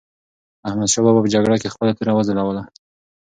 احمدشاه بابا په جګړه کې خپله توره وځلوله.